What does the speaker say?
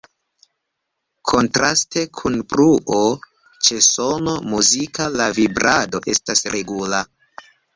Kontraste kun bruo, ĉe sono muzika la vibrado estas regula.